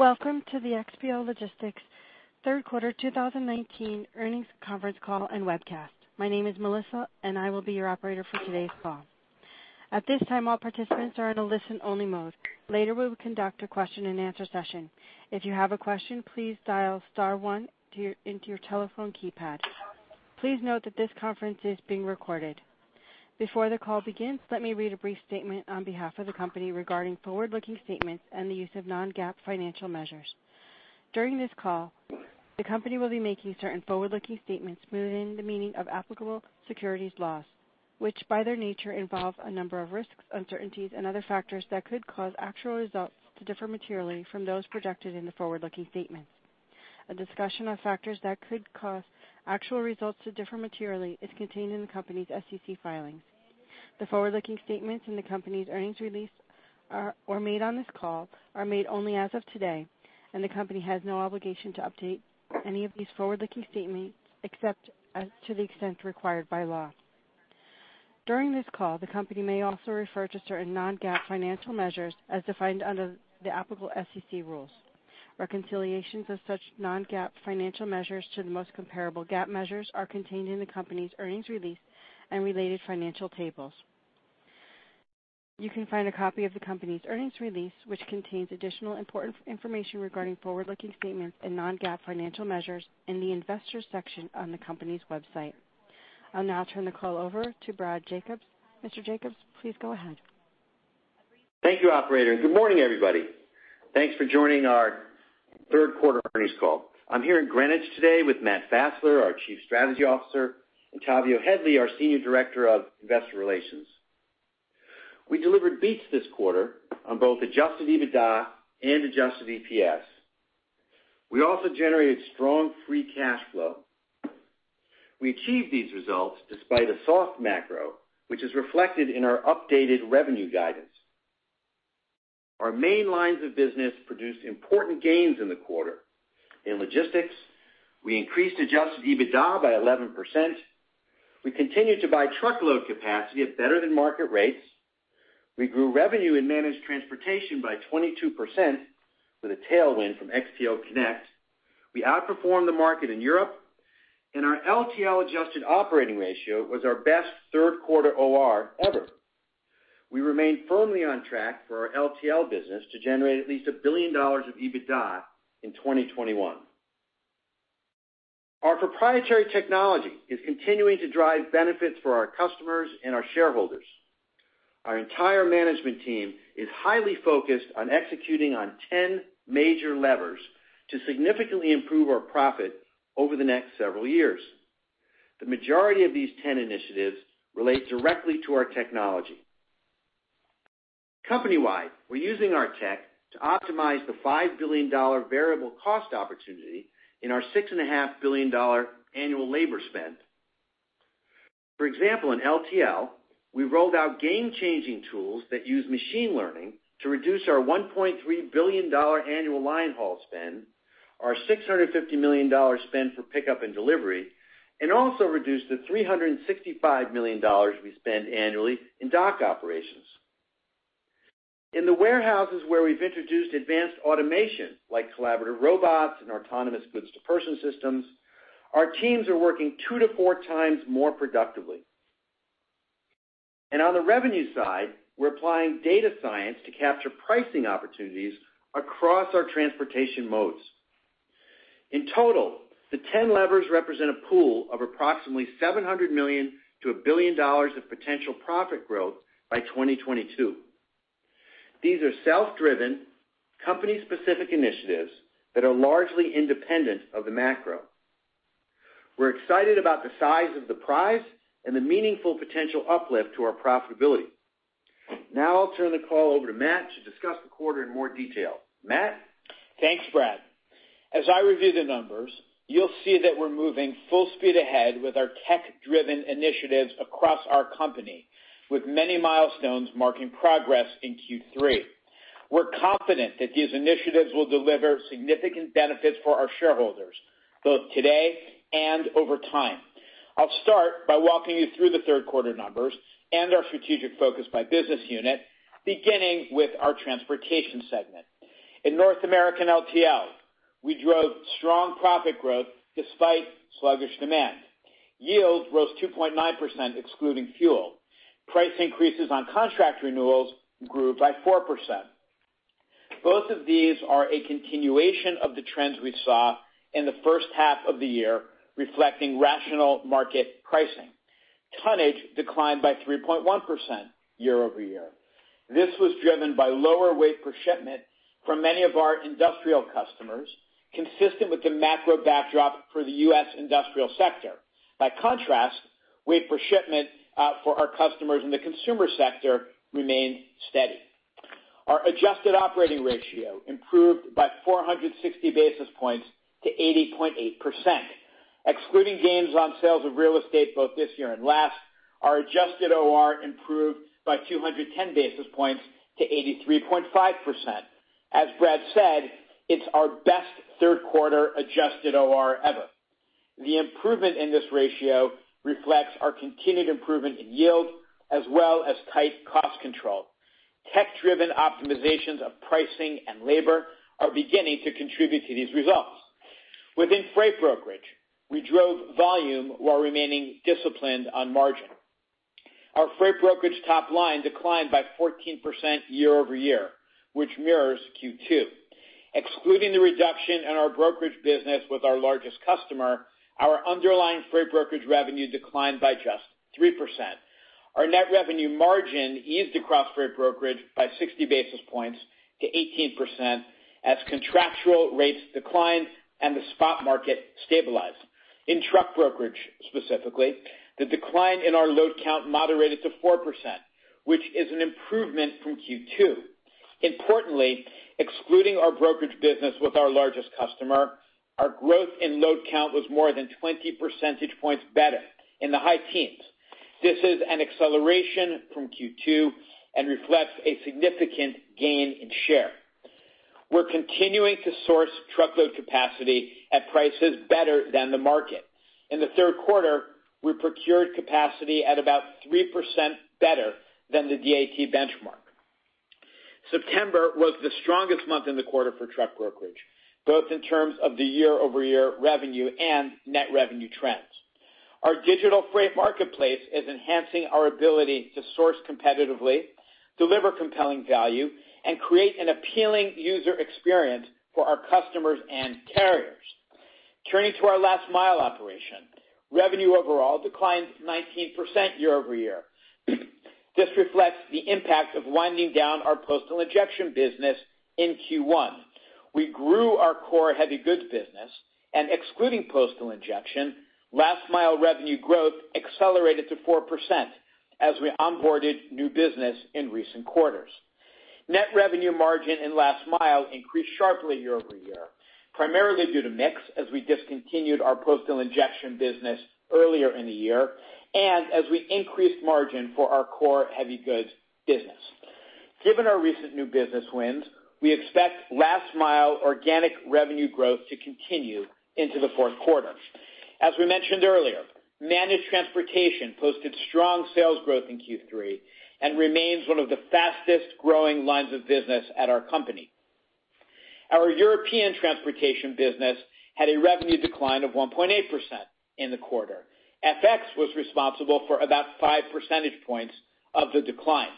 Welcome to the XPO Logistics third quarter 2019 earnings conference call and webcast. My name is Melissa, and I will be your operator for today's call. At this time, all participants are in a listen-only mode. Later, we will conduct a question-and-answer session. If you have a question, please dial star one into your telephone keypad. Please note that this conference is being recorded. Before the call begins, let me read a brief statement on behalf of the company regarding forward-looking statements and the use of non-GAAP financial measures. During this call, the company will be making certain forward-looking statements within the meaning of applicable securities laws, which, by their nature, involve a number of risks, uncertainties and other factors that could cause actual results to differ materially from those projected in the forward-looking statements. A discussion of factors that could cause actual results to differ materially is contained in the company's SEC filings. The forward-looking statements in the company's earnings release or made on this call are made only as of today, and the company has no obligation to update any of these forward-looking statements, except as to the extent required by law. During this call, the company may also refer to certain non-GAAP financial measures as defined under the applicable SEC rules. Reconciliations of such non-GAAP financial measures to the most comparable GAAP measures are contained in the company's earnings release and related financial tables. You can find a copy of the company's earnings release, which contains additional important information regarding forward-looking statements and non-GAAP financial measures in the Investors section on the company's website. I'll now turn the call over to Brad Jacobs. Mr. Jacobs, please go ahead. Thank you, operator, Good morning, everybody. Thanks for joining our third quarter earnings call. I'm here in Greenwich today with Matt Fassler, our Chief Strategy Officer, and Tavio Headley, our Senior Director of Investor Relations. We delivered beats this quarter on both adjusted EBITDA and adjusted EPS. We also generated strong free cash flow. We achieved these results despite a soft macro, which is reflected in our updated revenue guidance. Our main lines of business produced important gains in the quarter. In logistics, we increased adjusted EBITDA by 11%. We continued to buy truckload capacity at better-than-market rates. We grew revenue in managed transportation by 22% with a tailwind from XPO Connect. We outperformed the market in Europe, Our LTL adjusted operating ratio was our best third quarter OR ever. We remain firmly on track for our LTL business to generate at least $1 billion of EBITDA in 2021. Our proprietary technology is continuing to drive benefits for our customers and our shareholders. Our entire management team is highly focused on executing on 10 major levers to significantly improve our profit over the next several years. The majority of these 10 initiatives relate directly to our technology. Company-wide, we're using our tech to optimize the $5 billion variable cost opportunity in our $6.5 billion annual labor spend. For example, in LTL, we rolled out game-changing tools that use machine learning to reduce our $1.3 billion annual line-haul spend, our $650 million spend for pickup and delivery, and also reduce the $365 million we spend annually in dock operations. In the warehouses where we've introduced advanced automation, like collaborative robots and autonomous goods-to-person systems, our teams are working 2 to 4 times more productively. On the revenue side, we're applying data science to capture pricing opportunities across our transportation modes. In total, the 10 levers represent a pool of approximately $700 million to $1 billion of potential profit growth by 2022. These are self-driven, company-specific initiatives that are largely independent of the macro. We're excited about the size of the prize and the meaningful potential uplift to our profitability. Now I'll turn the call over to Matt to discuss the quarter in more detail. Matt? Thanks, Brad. As I review the numbers, you'll see that we're moving full speed ahead with our tech-driven initiatives across our company, with many milestones marking progress in Q3. We're confident that these initiatives will deliver significant benefits for our shareholders, both today and over time. I'll start by walking you through the third quarter numbers and our strategic focus by business unit, beginning with our transportation segment. In North American LTL, we drove strong profit growth despite sluggish demand. Yield rose 2.9%, excluding fuel. Price increases on contract renewals grew by 4%. Both of these are a continuation of the trends we saw in the first half of the year, reflecting rational market pricing. Tonnage declined by 3.1% year-over-year. This was driven by lower weight per shipment from many of our industrial customers, consistent with the macro backdrop for the U.S. industrial sector. By contrast, weight per shipment for our customers in the consumer sector remained steady. Our adjusted operating ratio improved by 460 basis points to 80.8%. Excluding gains on sales of real estate both this year and last, our adjusted OR improved by 210 basis points to 83.5%. As Brad said, it's our best third quarter adjusted OR ever. The improvement in this ratio reflects our continued improvement in yield as well as tight cost control. Tech-driven optimizations of pricing and labor are beginning to contribute to these results. Within freight brokerage, we drove volume while remaining disciplined on margin. Our freight brokerage top line declined by 14% year-over-year, which mirrors Q2. Excluding the reduction in our brokerage business with our largest customer, our underlying freight brokerage revenue declined by just 3%. Our net revenue margin eased across freight brokerage by 60 basis points to 18% as contractual rates declined and the spot market stabilized. In truck brokerage, specifically, the decline in our load count moderated to 4%, which is an improvement from Q2. Importantly, excluding our brokerage business with our largest customer, our growth in load count was more than 20 percentage points better in the high teens. This is an acceleration from Q2 and reflects a significant gain in share. We're continuing to source truckload capacity at prices better than the market. In the third quarter, we procured capacity at about 3% better than the DAT benchmark. September was the strongest month in the quarter for truck brokerage, both in terms of the year-over-year revenue and net revenue trends. Our digital freight marketplace is enhancing our ability to source competitively, deliver compelling value, and create an appealing user experience for our customers and carriers. Turning to our last mile operation. Revenue overall declined 19% year-over-year. This reflects the impact of winding down our postal injection business in Q1. We grew our core heavy goods business and excluding postal injection, last mile revenue growth accelerated to 4% as we onboarded new business in recent quarters. Net revenue margin in last mile increased sharply year-over-year, primarily due to mix as we discontinued our postal injection business earlier in the year and as we increased margin for our core heavy goods business. Given our recent new business wins, we expect last mile organic revenue growth to continue into the fourth quarter. As we mentioned earlier, managed transportation posted strong sales growth in Q3 and remains one of the fastest-growing lines of business at our company. Our European transportation business had a revenue decline of 1.8% in the quarter. FX was responsible for about five percentage points of the decline.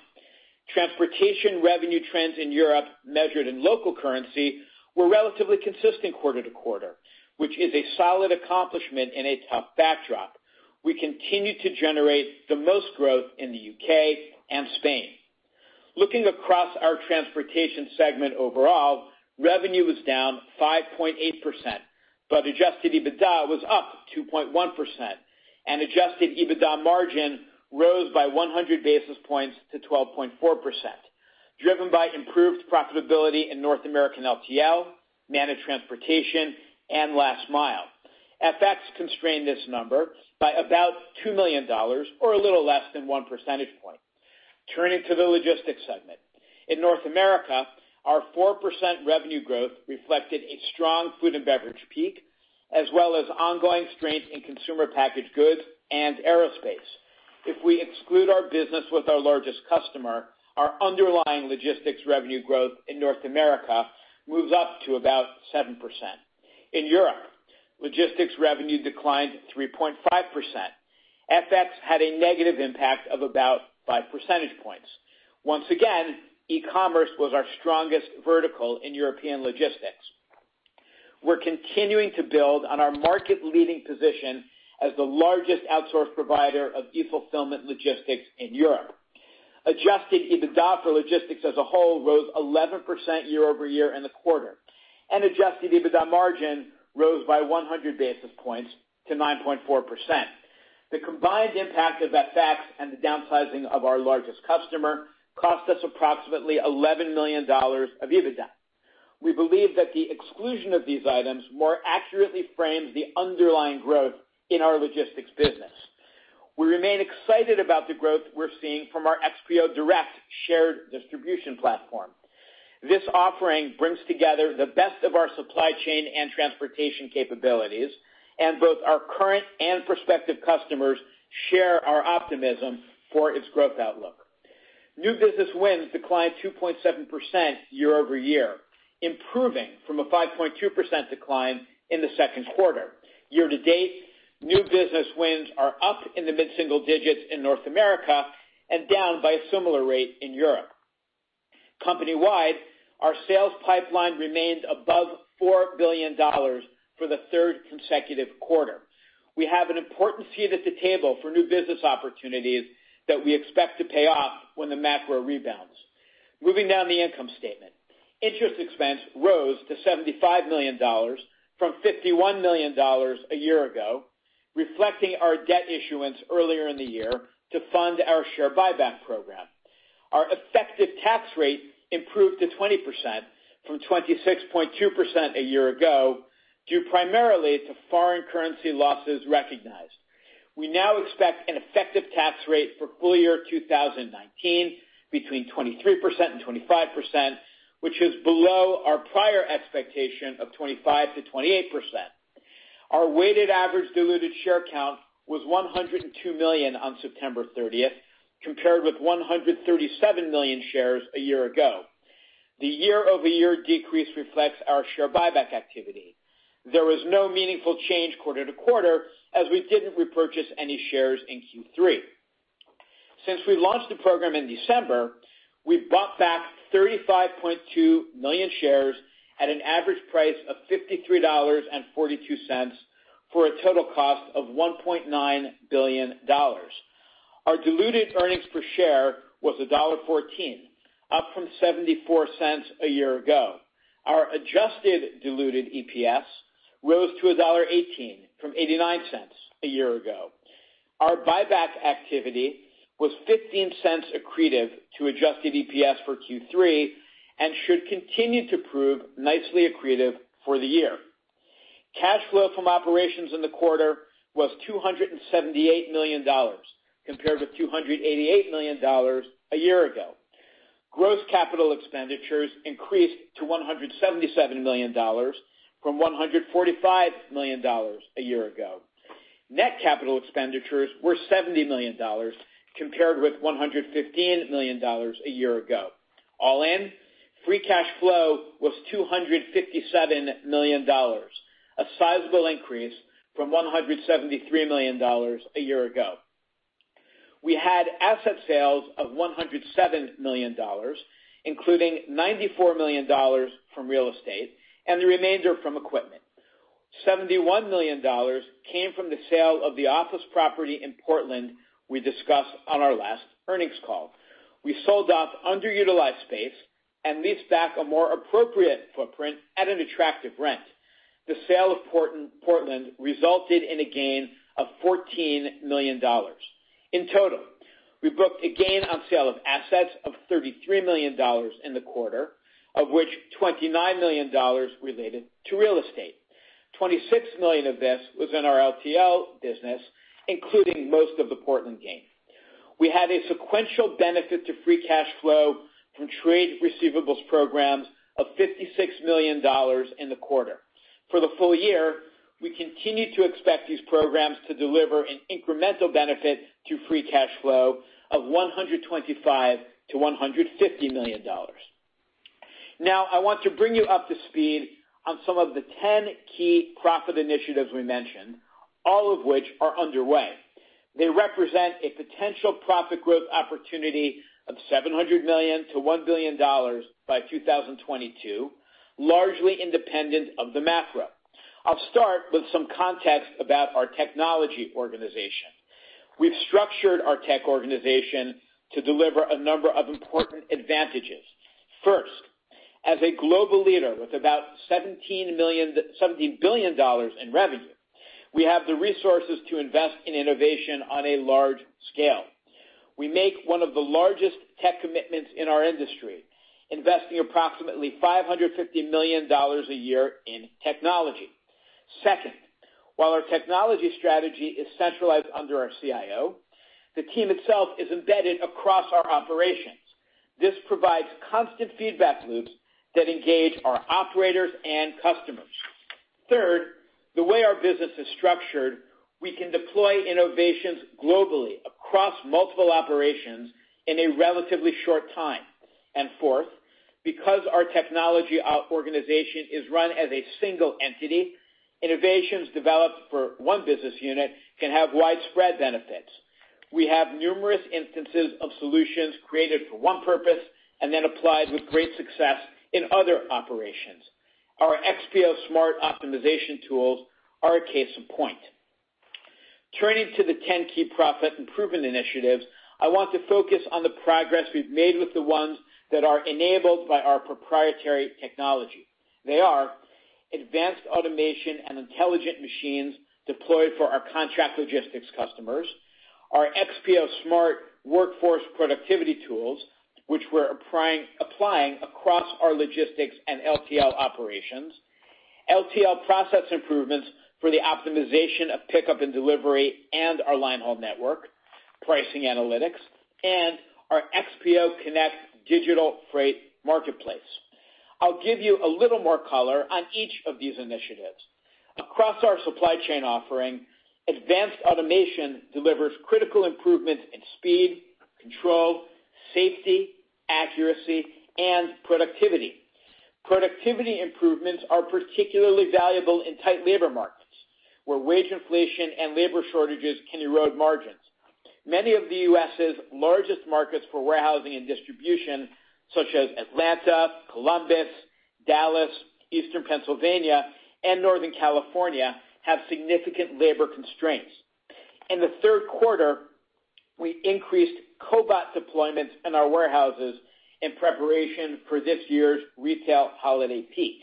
Transportation revenue trends in Europe measured in local currency were relatively consistent quarter-to-quarter, which is a solid accomplishment in a tough backdrop. We continue to generate the most growth in the U.K. and Spain. Looking across our transportation segment overall, revenue was down 5.8%, adjusted EBITDA was up 2.1% and adjusted EBITDA margin rose by 100 basis points to 12.4%, driven by improved profitability in North American LTL, managed transportation, and last mile. FX constrained this number by about $2 million, or a little less than one percentage point. Turning to the logistics segment. In North America, our 4% revenue growth reflected a strong food and beverage peak, as well as ongoing strength in consumer packaged goods and aerospace. If we exclude our business with our largest customer, our underlying logistics revenue growth in North America moves up to about 7%. In Europe, logistics revenue declined 3.5%. FX had a negative impact of about five percentage points. Once again, e-commerce was our strongest vertical in European logistics. We're continuing to build on our market-leading position as the largest outsource provider of e-fulfillment logistics in Europe. Adjusted EBITDA for logistics as a whole rose 11% year-over-year in the quarter, and adjusted EBITDA margin rose by 100 basis points to 9.4%. The combined impact of FX and the downsizing of our largest customer cost us approximately $11 million of EBITDA. We believe that the exclusion of these items more accurately frames the underlying growth in our logistics business. We remain excited about the growth we're seeing from our XPO Direct shared distribution platform. This offering brings together the best of our supply chain and transportation capabilities, and both our current and prospective customers share our optimism for its growth outlook. New business wins declined 2.7% year-over-year, improving from a 5.2% decline in the second quarter. Year-to-date, new business wins are up in the mid-single digits in North America and down by a similar rate in Europe. Company-wide, our sales pipeline remains above $4 billion for the third consecutive quarter. We have an important seat at the table for new business opportunities that we expect to pay off when the macro rebounds. Moving down the income statement. Interest expense rose to $75 million from $51 million a year ago, reflecting our debt issuance earlier in the year to fund our share buyback program. Our effective tax rate improved to 20% from 26.2% a year ago, due primarily to foreign currency losses recognized. We now expect an effective tax rate for full year 2019 between 23% and 25%, which is below our prior expectation of 25% to 28%. Our weighted average diluted share count was 102 million on September 30th, compared with 137 million shares a year ago. The year-over-year decrease reflects our share buyback activity. There was no meaningful change quarter-to-quarter, as we didn't repurchase any shares in Q3. Since we launched the program in December, we've bought back 35.2 million shares at an average price of $53.42, for a total cost of $1.9 billion. Our diluted earnings per share was $1.14, up from $0.74 a year ago. Our adjusted diluted EPS rose to $1.18 from $0.89 a year ago. Our buyback activity was $0.15 accretive to adjusted EPS for Q3, and should continue to prove nicely accretive for the year. Cash flow from operations in the quarter was $278 million compared with $288 million a year ago. Gross capital expenditures increased to $177 million from $145 million a year ago. Net capital expenditures were $70 million compared with $115 million a year ago. All in, free cash flow was $257 million, a sizable increase from $173 million a year ago. We had asset sales of $107 million, including $94 million from real estate, and the remainder from equipment. $71 million came from the sale of the office property in Portland we discussed on our last earnings call. We sold off underutilized space and leased back a more appropriate footprint at an attractive rent. The sale of Portland resulted in a gain of $14 million. In total, we booked a gain on sale of assets of $33 million in the quarter, of which $29 million related to real estate. $26 million of this was in our LTL business, including most of the Portland gain. We had a sequential benefit to free cash flow from trade receivables programs of $56 million in the quarter. For the full year, we continue to expect these programs to deliver an incremental benefit to free cash flow of $125 million-$150 million. Now, I want to bring you up to speed on some of the 10 key profit initiatives we mentioned, all of which are underway. They represent a potential profit growth opportunity of $700 million-$1 billion by 2022, largely independent of the macro. I'll start with some context about our technology organization. We've structured our tech organization to deliver a number of important advantages. First, as a global leader with about $17 billion in revenue, we have the resources to invest in innovation on a large scale. We make one of the largest tech commitments in our industry, investing approximately $550 million a year in technology. Second, while our technology strategy is centralized under our CIO, the team itself is embedded across our operations. This provides constant feedback loops that engage our operators and customers. Third, the way our business is structured, we can deploy innovations globally across multiple operations in a relatively short time. Fourth, because our technology organization is run as a single entity, innovations developed for one business unit can have widespread benefits. We have numerous instances of solutions created for one purpose and then applied with great success in other operations. Our XPO Smart optimization tools are a case in point. Turning to the 10 key profit improvement initiatives, I want to focus on the progress we've made with the ones that are enabled by our proprietary technology. They are advanced automation and intelligent machines deployed for our contract logistics customers, our XPO Smart workforce productivity tools, which we're applying across our logistics and LTL operations. LTL process improvements for the optimization of pickup and delivery and our line haul network, pricing analytics, and our XPO Connect digital freight marketplace. I'll give you a little more color on each of these initiatives. Across our supply chain offering, advanced automation delivers critical improvements in speed, control, safety, accuracy, and productivity. Productivity improvements are particularly valuable in tight labor markets, where wage inflation and labor shortages can erode margins. Many of the U.S.' largest markets for warehousing and distribution, such as Atlanta, Columbus, Dallas, Eastern Pennsylvania, and Northern California, have significant labor constraints. In the third quarter, we increased cobot deployments in our warehouses in preparation for this year's retail holiday peak.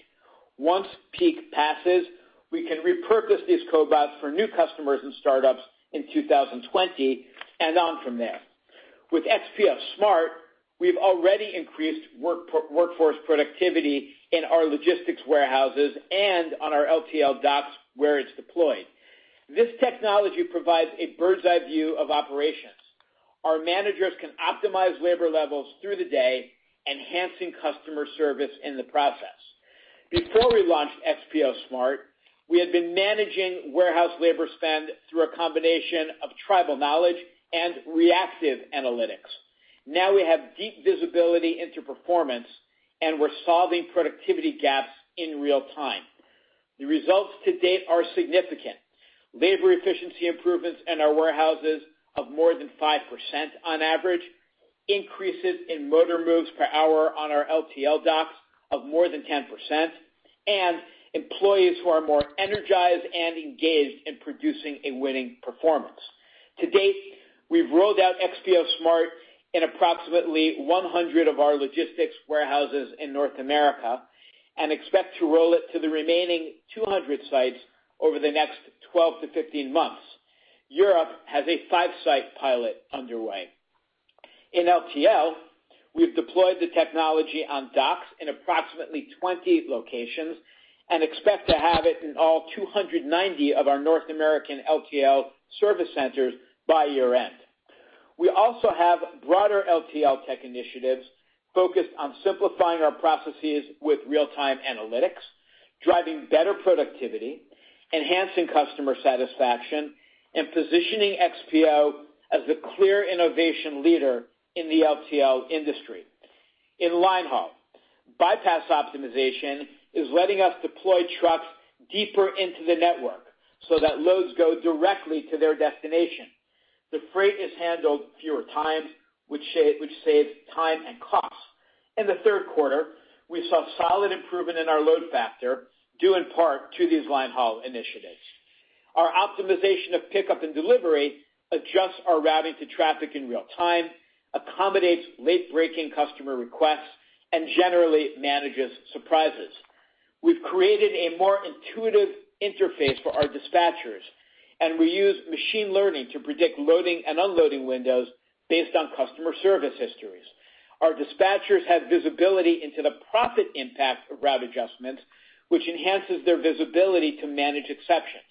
Once peak passes, we can repurpose these cobots for new customers and startups in 2020 and on from there. With XPO Smart, we've already increased workforce productivity in our logistics warehouses and on our LTL docks where it's deployed. This technology provides a bird's eye view of operations. Our managers can optimize labor levels through the day, enhancing customer service in the process. Before we launched XPO Smart, we had been managing warehouse labor spend through a combination of tribal knowledge and reactive analytics. Now we have deep visibility into performance, and we're solving productivity gaps in real time. The results to date are significant. Labor efficiency improvements in our warehouses of more than 5% on average, increases in motor moves per hour on our LTL docks of more than 10%, and employees who are more energized and engaged in producing a winning performance. To date, we've rolled out XPO Smart in approximately 100 of our logistics warehouses in North America and expect to roll it to the remaining 200 sites over the next 12 to 15 months. Europe has a five-site pilot underway. In LTL, we've deployed the technology on docks in approximately 20 locations and expect to have it in all 290 of our North American LTL service centers by year-end. We also have broader LTL tech initiatives focused on simplifying our processes with real-time analytics, driving better productivity, enhancing customer satisfaction, and positioning XPO as the clear innovation leader in the LTL industry. In line haul, bypass optimization is letting us deploy trucks deeper into the network so that loads go directly to their destination. The freight is handled fewer times, which saves time and cost. In the third quarter, we saw solid improvement in our load factor, due in part to these line haul initiatives. Our optimization of pickup and delivery adjusts our routing to traffic in real time, accommodates late-breaking customer requests, and generally manages surprises. We've created a more intuitive interface for our dispatchers, and we use machine learning to predict loading and unloading windows based on customer service histories. Our dispatchers have visibility into the profit impact of route adjustments, which enhances their visibility to manage exceptions.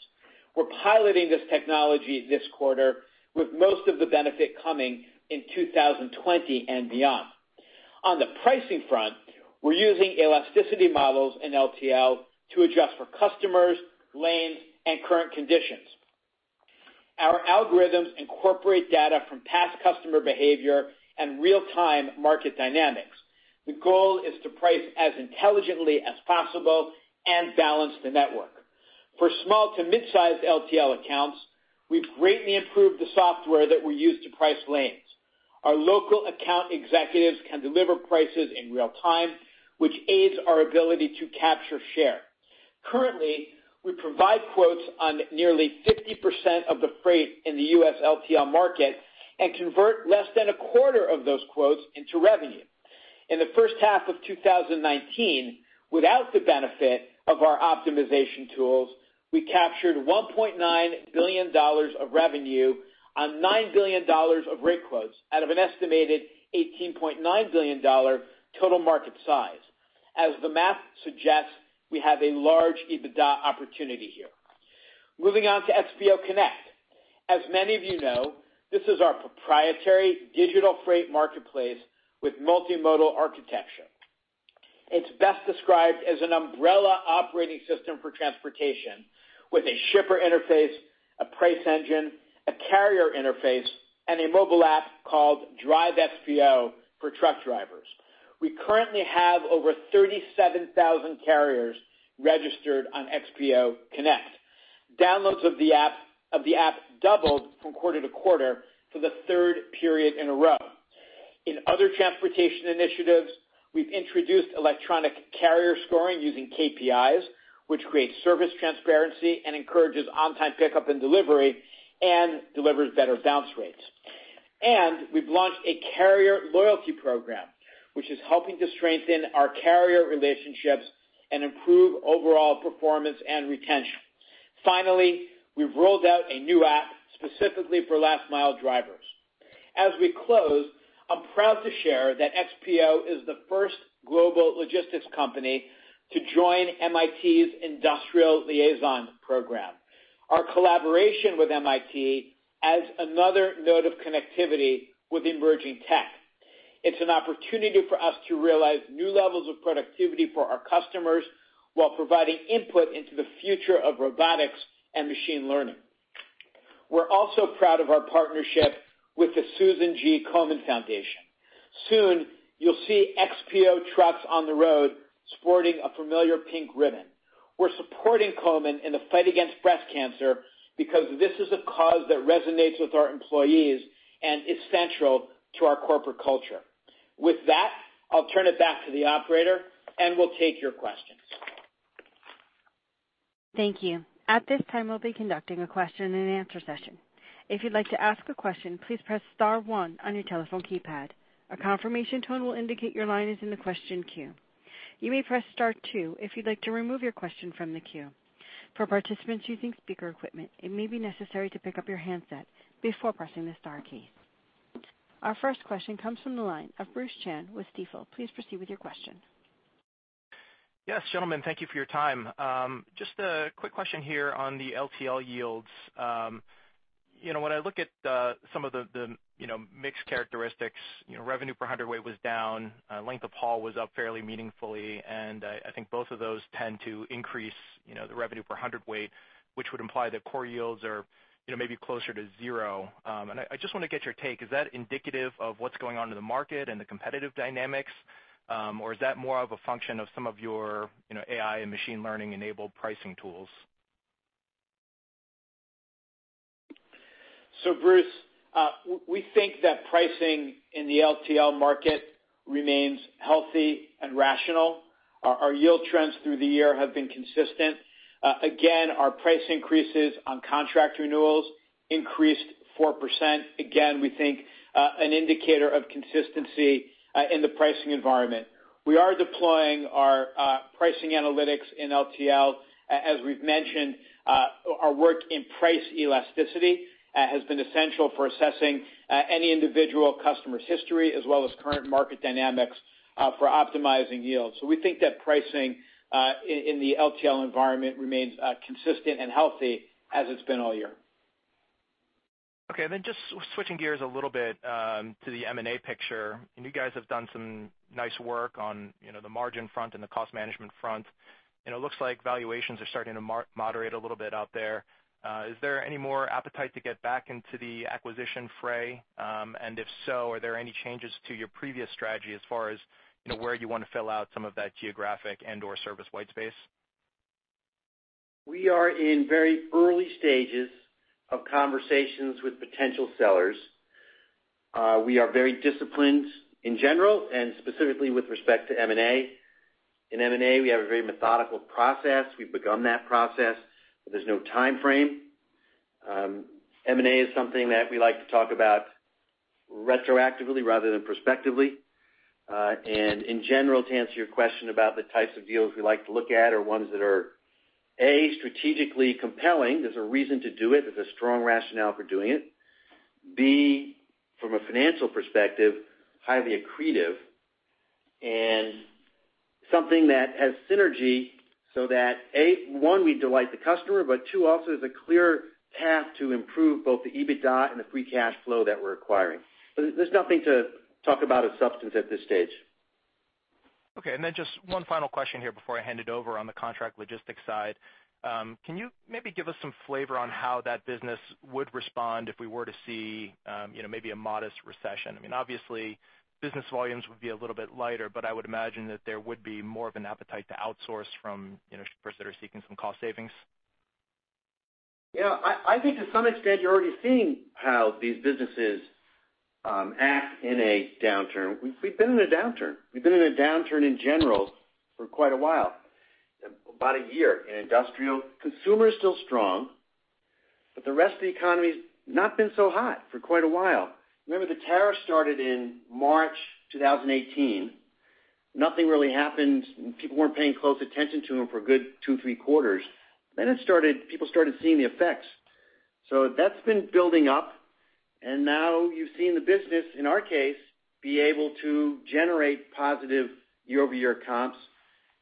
We're piloting this technology this quarter with most of the benefit coming in 2020 and beyond. On the pricing front, we're using elasticity models in LTL to adjust for customers, lanes, and current conditions. Our algorithms incorporate data from past customer behavior and real-time market dynamics. The goal is to price as intelligently as possible and balance the network. For small to mid-sized LTL accounts, we've greatly improved the software that we use to price lanes. Our local account executives can deliver prices in real time, which aids our ability to capture share. Currently, we provide quotes on nearly 50% of the freight in the U.S. LTL market and convert less than 1/4 of those quotes into revenue. In the first half of 2019, without the benefit of our optimization tools, we captured $1.9 billion of revenue on $9 billion of rate quotes out of an estimated $18.9 billion total market size. As the math suggests, we have a large EBITDA opportunity here. Moving on to XPO Connect. As many of you know, this is our proprietary digital freight marketplace with multimodal architecture. It's best described as an umbrella operating system for transportation with a shipper interface, a price engine, a carrier interface, and a mobile app called Drive XPO for truck drivers. We currently have over 37,000 carriers registered on XPO Connect. Downloads of the app doubled from quarter to quarter for the third period in a row. In other transportation initiatives, we've introduced electronic carrier scoring using KPIs, which creates service transparency and encourages on-time pickup and delivery and delivers better bounce rates. We've launched a carrier loyalty program, which is helping to strengthen our carrier relationships and improve overall performance and retention. Finally, we've rolled out a new app specifically for last-mile drivers. As we close, I'm proud to share that XPO is the first global logistics company to join MIT's Industrial Liaison Program. Our collaboration with MIT adds another node of connectivity with emerging tech. It's an opportunity for us to realize new levels of productivity for our customers while providing input into the future of robotics and machine learning. We're also proud of our partnership with the Susan G. Komen Foundation. Soon, you'll see XPO trucks on the road sporting a familiar pink ribbon. We're supporting Komen in the fight against breast cancer because this is a cause that resonates with our employees and is central to our corporate culture. With that, I'll turn it back to the operator, and we'll take your questions. Thank you. At this time, we'll be conducting a question and answer session. If you'd like to ask a question, please press star one on your telephone keypad. A confirmation tone will indicate your line is in the question queue. You may press star two if you'd like to remove your question from the queue. For participants using speaker equipment, it may be necessary to pick up your handset before pressing the star key. Our first question comes from the line of Bruce Chan with Stifel. Please proceed with your question. Yes, gentlemen. Thank you for your time. Just a quick question here on the LTL yields. When I look at some of the mixed characteristics, revenue per hundred weight was down, length of haul was up fairly meaningfully. I think both of those tend to increase the revenue per hundred weight, which would imply that core yields are maybe closer to zero. I just want to get your take. Is that indicative of what's going on in the market and the competitive dynamics? Is that more of a function of some of your AI and machine learning-enabled pricing tools? Bruce, we think that pricing in the LTL market remains healthy and rational. Our yield trends through the year have been consistent. Our price increases on contract renewals increased 4%. We think an indicator of consistency in the pricing environment. We are deploying our pricing analytics in LTL. As we've mentioned, our work in price elasticity has been essential for assessing any individual customer's history, as well as current market dynamics for optimizing yields. We think that pricing in the LTL environment remains consistent and healthy as it's been all year. Okay, then just switching gears a little bit to the M&A picture, you guys have done some nice work on the margin front and the cost management front. It looks like valuations are starting to moderate a little bit out there. Is there any more appetite to get back into the acquisition fray? If so, are there any changes to your previous strategy as far as where you want to fill out some of that geographic and/or service white space? We are in very early stages of conversations with potential sellers. We are very disciplined in general, and specifically with respect to M&A. In M&A, we have a very methodical process. We've begun that process. There's no timeframe. M&A is something that we like to talk about retroactively rather than prospectively. In general, to answer your question about the types of deals we like to look at are ones that are, A. strategically compelling. There's a reason to do it. There's a strong rationale for doing it. B. from a financial perspective, highly accretive, and something that has synergy so that, one, we delight the customer, but two, also there's a clear path to improve both the EBITDA and the free cash flow that we're acquiring. There's nothing to talk about of substance at this stage. Okay, just one final question here before I hand it over on the contract logistics side. Can you maybe give us some flavor on how that business would respond if we were to see maybe a modest recession? Obviously, business volumes would be a little bit lighter, but I would imagine that there would be more of an appetite to outsource from shippers that are seeking some cost savings. I think to some extent, you're already seeing how these businesses act in a downturn. We've been in a downturn. We've been in a downturn in general for quite a while, about a year in industrial. Consumer is still strong, but the rest of the economy has not been so hot for quite a while. Remember, the tariffs started in March 2018. Nothing really happened. People weren't paying close attention to them for a good two, three quarters. People started seeing the effects. That's been building up, and now you've seen the business, in our case, be able to generate positive year-over-year comps,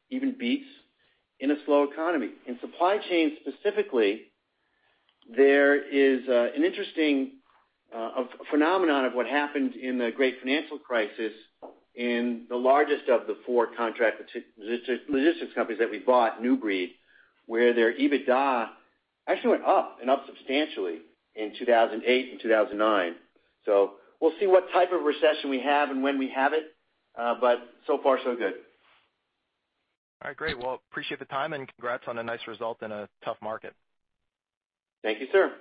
even beats in a slow economy. In supply chain specifically, there is an interesting phenomenon of what happened in the great financial crisis in the largest of the four contract logistics companies that we bought, New Breed, where their EBITDA actually went up, and up substantially in 2008 and 2009. We'll see what type of recession we have and when we have it. So far, so good. All right, great. Appreciate the time, and congrats on a nice result in a tough market. Thank you, sir.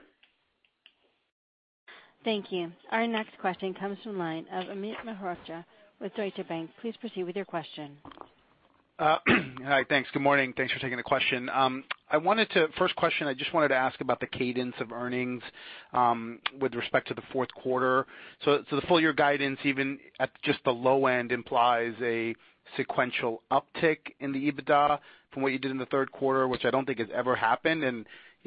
Thank you. Our next question comes from the line of Amit Mehrotra with Deutsche Bank. Please proceed with your question. Hi. Thanks. Good morning. Thanks for taking the question. First question, I just wanted to ask about the cadence of earnings with respect to the fourth quarter. The full year guidance, even at just the low end, implies a sequential uptick in the EBITDA from what you did in the third quarter, which I don't think has ever happened.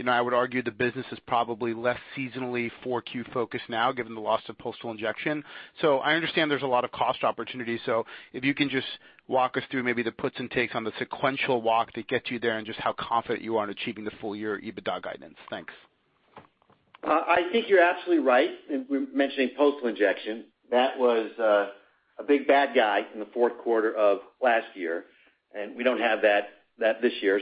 I would argue the business is probably less seasonally four Q-focused now, given the loss of postal injection. I understand there's a lot of cost opportunities. If you can just walk us through maybe the puts and takes on the sequential walk that gets you there and just how confident you are in achieving the full year EBITDA guidance. Thanks. I think you're absolutely right in mentioning postal injection. That was a big bad guy in the fourth quarter of last year. We don't have that this year.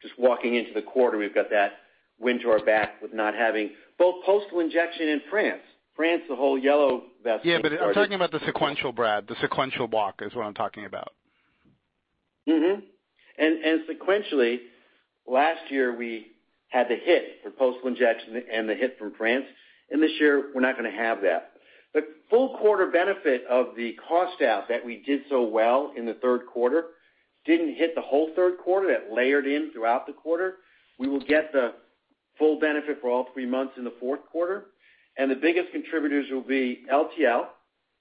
Just walking into the quarter, we've got that wind to our back with not having both postal injection in France. France, the whole yellow vest started. Yeah, I'm talking about the sequential, Brad. The sequential walk is what I'm talking about. Sequentially, last year we had the hit for postal injection and the hit from France. This year, we're not going to have that. The full quarter benefit of the cost out that we did so well in the third quarter didn't hit the whole third quarter. That layered in throughout the quarter. We will get the Full benefit for all three months in the fourth quarter. The biggest contributors will be LTL,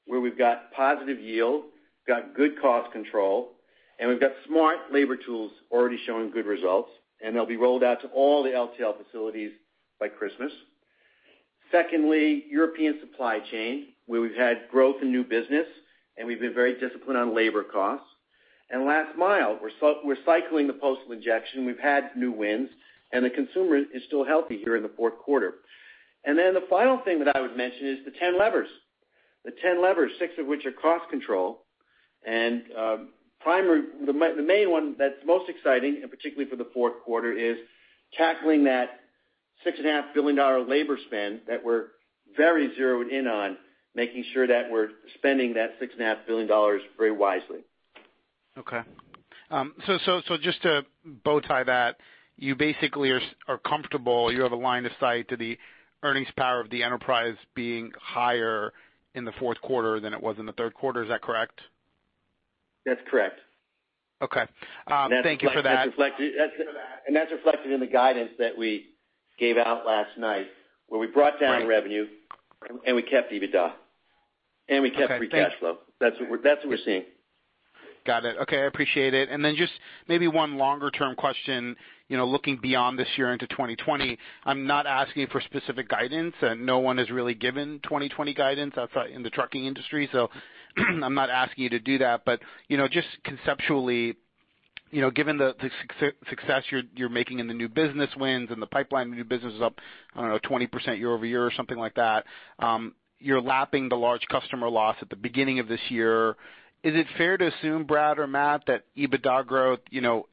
where we've got positive yield, got good cost control, and we've got Smart labor tools already showing good results, and they'll be rolled out to all the LTL facilities by Christmas. Secondly, European supply chain, where we've had growth in new business, and we've been very disciplined on labor costs. Last mile, we're cycling the postal injection. We've had new wins, and the consumer is still healthy here in the fourth quarter. The final thing that I would mention is the 10 levers. The 10 levers, six of which are cost control. The main one that's most exciting, and particularly for the fourth quarter, is tackling that $6.5 billion labor spend that we're very zeroed in on, making sure that we're spending that $6.5 billion very wisely. Okay. Just to bow tie that, you basically are comfortable you have a line of sight to the earnings power of the enterprise being higher in the fourth quarter than it was in the third quarter. Is that correct? That's correct. Okay. Thank you for that. That's reflected in the guidance that we gave out last night, where we brought down revenue, and we kept EBITDA, and we kept free cash flow. That's what we're seeing. Got it. Okay. I appreciate it. Then just maybe one longer-term question, looking beyond this year into 2020. I'm not asking for specific guidance, no one has really given 2020 guidance in the trucking industry, I'm not asking you to do that. Just conceptually, given the success you're making in the new business wins and the pipeline new business is up, I don't know, 20% year-over-year or something like that. You're lapping the large customer loss at the beginning of this year. Is it fair to assume, Brad or Matt, that EBITDA growth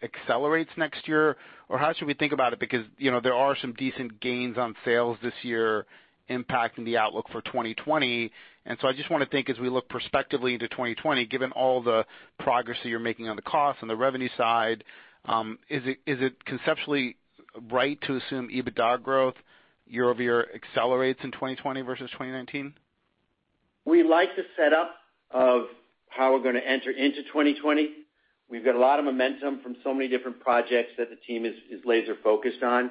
accelerates next year? How should we think about it? There are some decent gains on sales this year impacting the outlook for 2020. I just want to think as we look prospectively into 2020, given all the progress that you're making on the cost and the revenue side, is it conceptually right to assume EBITDA growth year-over-year accelerates in 2020 versus 2019? We like the setup of how we're going to enter into 2020. We've got a lot of momentum from so many different projects that the team is laser-focused on.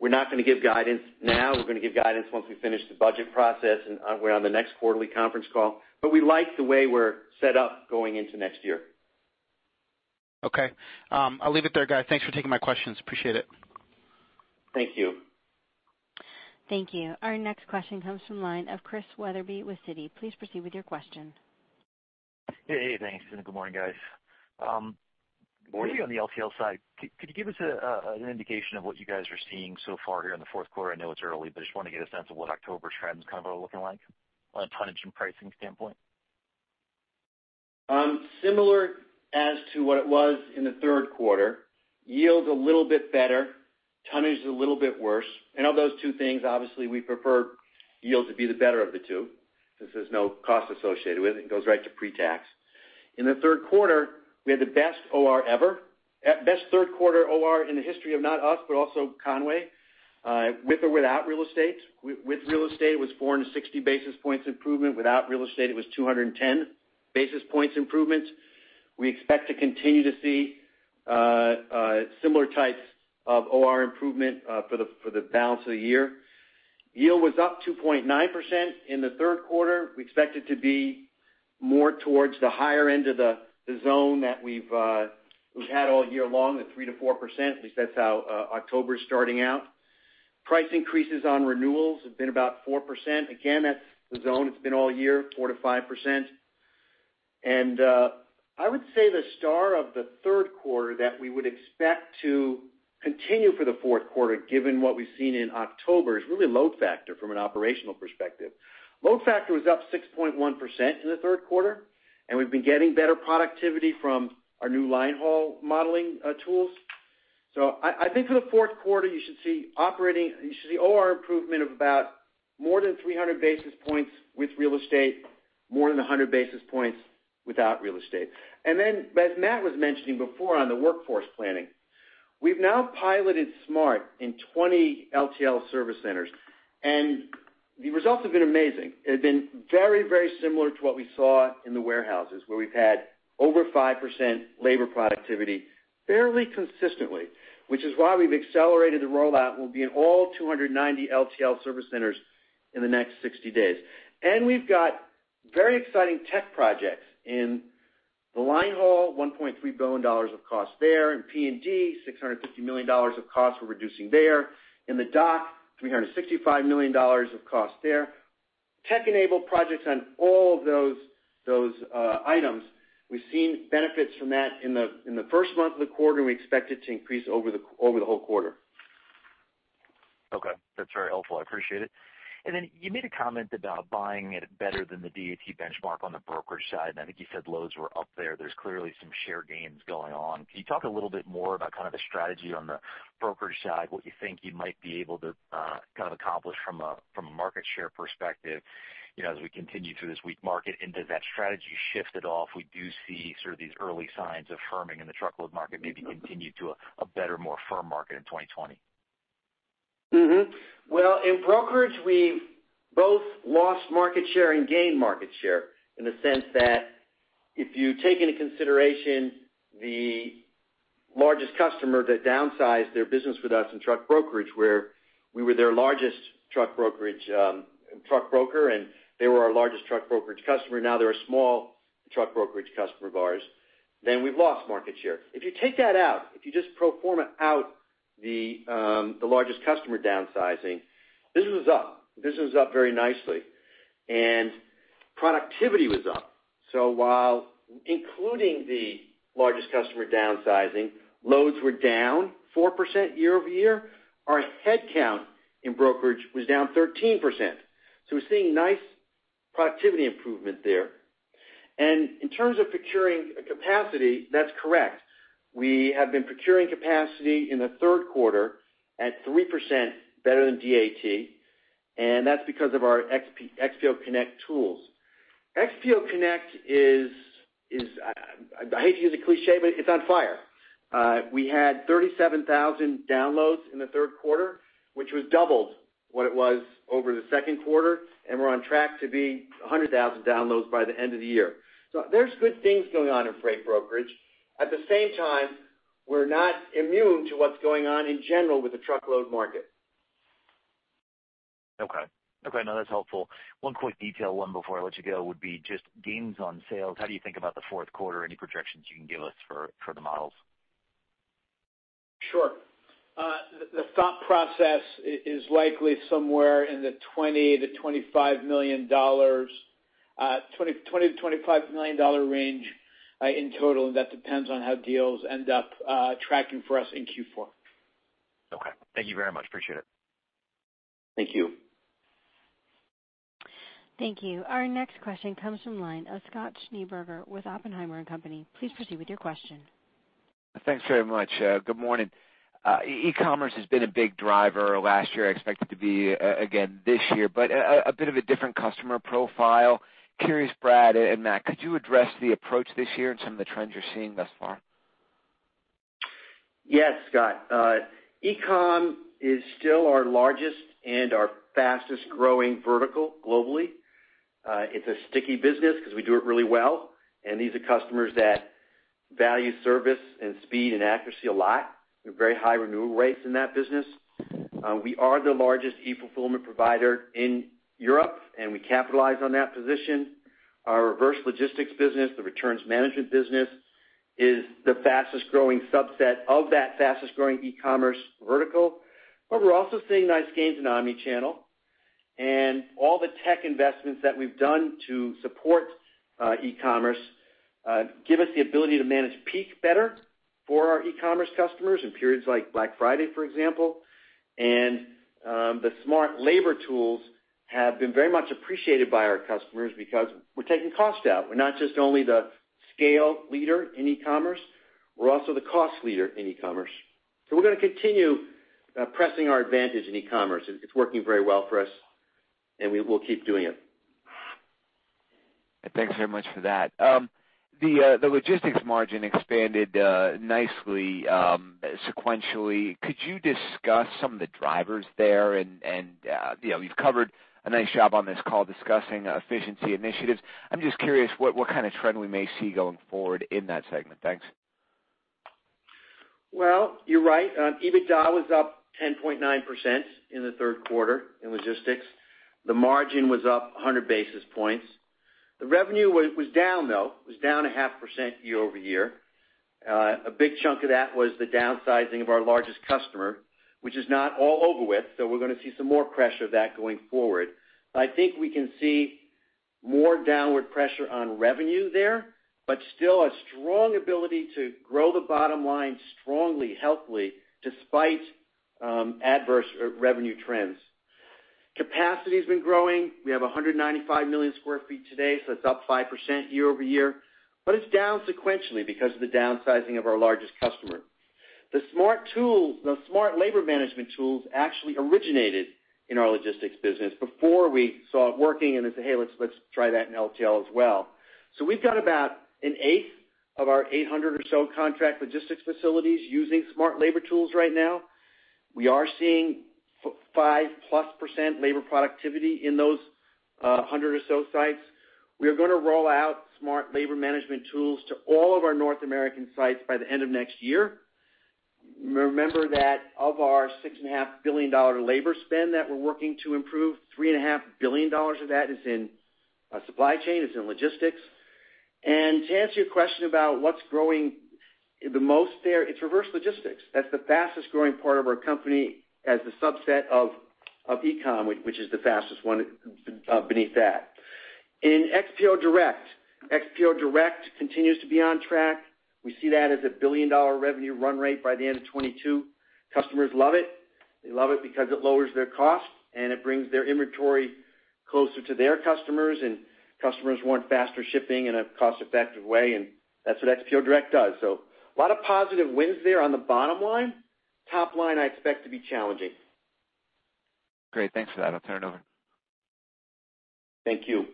We're not going to give guidance now. We're going to give guidance once we finish the budget process and we're on the next quarterly conference call. We like the way we're set up going into next year. Okay. I'll leave it there, guys. Thanks for taking my questions. Appreciate it. Thank you. Thank you. Our next question comes from the line of Chris Wetherbee with Citi. Please proceed with your question. Hey, thanks, and good morning, guys. On the LTL side, could you give us an indication of what you guys are seeing so far here in the fourth quarter? I know it's early, but I just want to get a sense of what October trends kind of are looking like on a tonnage and pricing standpoint. Similar as to what it was in the third quarter. Yield is a little bit better. Tonnage is a little bit worse. Of those two things, obviously, we prefer yield to be the better of the two, since there's no cost associated with it and it goes right to pre-tax. In the third quarter, we had the best OR ever. Best third quarter OR in the history of not us, but also Con-way, with or without real estate. With real estate, it was 460 basis points improvement. Without real estate, it was 210 basis points improvements. We expect to continue to see similar types of OR improvement for the balance of the year. Yield was up 2.9% in the third quarter. We expect it to be more towards the higher end of the zone that we've had all year long at 3%-4%, at least that's how October is starting out. Price increases on renewals have been about 4%. That's the zone it's been all year, 4%-5%. I would say the star of the third quarter that we would expect to continue for the fourth quarter, given what we've seen in October, is really load factor from an operational perspective. Load factor was up 6.1% in the third quarter, and we've been getting better productivity from our new line haul modeling tools. I think for the fourth quarter, you should see OR improvement of about more than 300 basis points with real estate, more than 100 basis points without real estate. Then as Matt was mentioning before on the workforce planning, we've now piloted XPO Smart in 20 LTL service centers. The results have been amazing. It had been very, very similar to what we saw in the warehouses, where we've had over 5% labor productivity fairly consistently, which is why we've accelerated the rollout. We'll be in all 290 LTL service centers in the next 60 days. We've got very exciting tech projects in the line haul, $1.3 billion of cost there. In P&D, $650 million of costs we're reducing there. In the dock, $365 million of cost there. Tech-enabled projects on all of those items. We've seen benefits from that in the first month of the quarter. We expect it to increase over the whole quarter. Okay. That's very helpful. I appreciate it. You made a comment about buying it better than the DAT benchmark on the brokerage side, I think you said loads were up there. There's clearly some share gains going on. Can you talk a little bit more about the strategy on the brokerage side, what you think you might be able to accomplish from a market share perspective as we continue through this weak market? Does that strategy shift at all if we do see these early signs of firming in the truckload market maybe continue to a better, more firm market in 2020? In brokerage, we've both lost market share and gained market share in the sense that if you take into consideration the largest customer that downsized their business with us in truck brokerage, where we were their largest truck broker, and they were our largest truck brokerage customer, now they're a small truck brokerage customer of ours, then we've lost market share. If you take that out, if you just pro forma out the largest customer downsizing, business was up. Business was up very nicely. Productivity was up. While including the largest customer downsizing, loads were down 4% year-over-year. Our headcount in brokerage was down 13%. We're seeing nice productivity improvement there. In terms of procuring capacity, that's correct. We have been procuring capacity in the third quarter at 3% better than DAT, and that's because of our XPO Connect tools. XPO Connect is, I hate to use a cliché, but it's on fire. We had 37,000 downloads in the third quarter, which was double what it was over the second quarter. We're on track to be at 100,000 downloads by the end of the year. There's good things going on in freight brokerage. At the same time, we're not immune to what's going on in general with the truckload market. Okay. No, that's helpful. One quick detail, one before I let you go, would be just gains on sales. How do you think about the fourth quarter? Any projections you can give us for the models? Sure. The thought process is likely somewhere in the $20 million-$25 million range in total, and that depends on how deals end up tracking for us in Q4. Okay. Thank you very much. Appreciate it. Thank you. Thank you. Our next question comes from the line of Scott Schneeberger with Oppenheimer and Company. Please proceed with your question. Thanks very much. Good morning. E-commerce has been a big driver last year, expected to be again this year, but a bit of a different customer profile. Curious, Brad and Matt, could you address the approach this year and some of the trends you're seeing thus far? Yes, Scott. E-com is still our largest and our fastest-growing vertical globally. It's a sticky business because we do it really well, and these are customers that value service and speed and accuracy a lot. We have very high renewal rates in that business. We are the largest e-fulfillment provider in Europe, and we capitalize on that position. Our reverse logistics business, the returns management business, is the fastest-growing subset of that fastest-growing e-commerce vertical. But we're also seeing nice gains in omnichannel. And all the tech investments that we've done to support e-commerce give us the ability to manage peak better for our e-commerce customers in periods like Black Friday, for example. And the smart labor tools have been very much appreciated by our customers because we're taking cost out. We're not just only the scale leader in e-commerce, we're also the cost leader in e-commerce. We're going to continue pressing our advantage in e-commerce. It's working very well for us, and we'll keep doing it. Thanks very much for that. The logistics margin expanded nicely sequentially. Could you discuss some of the drivers there? You've covered a nice job on this call discussing efficiency initiatives. I'm just curious what kind of trend we may see going forward in that segment. Thanks. Well, you're right. EBITDA was up 10.9% in the third quarter in logistics. The margin was up 100 basis points. The revenue was down, though. It was down a half percent year-over-year. A big chunk of that was the downsizing of our largest customer, which is not all over with. We're going to see some more pressure of that going forward. I think we can see more downward pressure on revenue there, but still a strong ability to grow the bottom line strongly, healthily, despite adverse revenue trends. Capacity's been growing. We have 195 million sq ft today. That's up 5% year-over-year. It's down sequentially because of the downsizing of our largest customer. The smart labor management tools actually originated in our logistics business before we saw it working. They said, "Hey, let's try that in LTL as well." We've got about an eighth of our 800 or so contract logistics facilities using smart labor tools right now. We are seeing 5-plus % labor productivity in those 100 or so sites. We are going to roll out smart labor management tools to all of our North American sites by the end of next year. Remember that of our $6.5 billion labor spend that we're working to improve, $3.5 billion of that is in supply chain, is in logistics. To answer your question about what's growing the most there, it's reverse logistics. That's the fastest-growing part of our company as the subset of e-com, which is the fastest one beneath that. In XPO Direct, XPO Direct continues to be on track. We see that as a billion-dollar revenue run rate by the end of 2022. Customers love it. They love it because it lowers their cost, and it brings their inventory closer to their customers. Customers want faster shipping in a cost-effective way, and that's what XPO Direct does. A lot of positive wins there on the bottom line. Top line, I expect to be challenging. Great. Thanks for that. I'll turn it over. Thank you.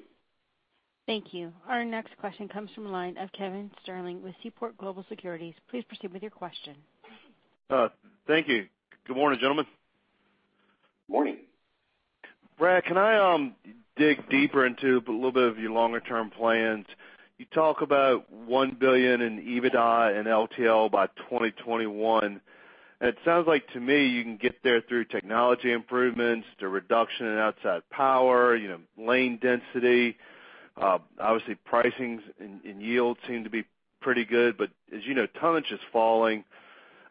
Thank you. Our next question comes from the line of Kevin Sterling with Seaport Global Securities. Please proceed with your question. Thank you. Good morning, gentlemen. Morning. Brad, can I dig deeper into a little bit of your longer-term plans? You talk about $1 billion in EBITDA and LTL by 2021. It sounds like to me you can get there through technology improvements, through reduction in outside power, lane density. Obviously, pricings and yield seem to be pretty good, but as you know, tonnage is falling.